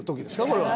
これは。